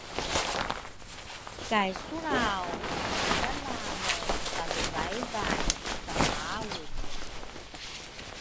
Kay sulraw madalame mutaluvaivay lukamaungu